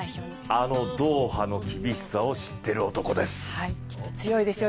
あのドーハの厳しさを知っている男です。